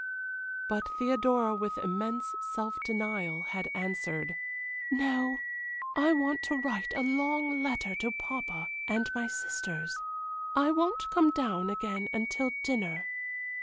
But Theodora, with immense self denial, had answered: "No, I want to write a long letter to papa and my sisters. I won't come down again until dinner."